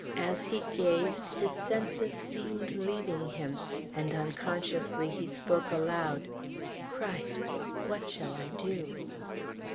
As he gazed, his senses seemed leaving him, and unconsciously he spoke aloud; "Christ! What shall I do!"